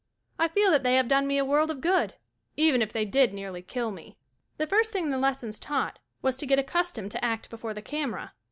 I feel that they have done me a world of good, even if they did nearly kill me. The first thing the lessons taught was to get accustomed to act before the camera.